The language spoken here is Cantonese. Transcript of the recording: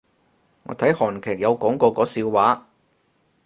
我睇韓劇有講過個笑話